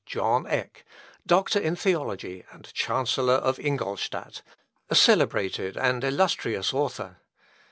John Eck, doctor in theology, and chancellor of Ingolstadt, a celebrated and illustrious author.